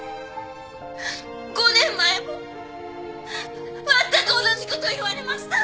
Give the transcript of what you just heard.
５年前もまったく同じこと言われました！